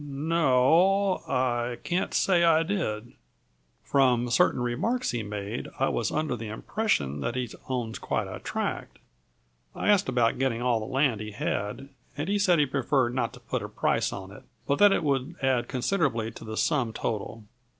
"No o I can't say I did. From certain remarks he made, I was under the impression that he owns quite a tract. I asked about getting all the land he had, and he said he preferred not to put a price on it, but that it would add considerably to the sum total.